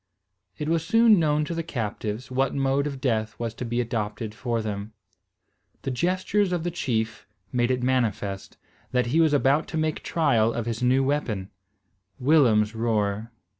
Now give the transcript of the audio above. It was soon known to the captives, what mode of death was to be adopted for them. The gestures of the chief made it manifest, that he was about to make trial of his new weapon, Willem's roer.